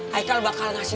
haikal bakal ngasih video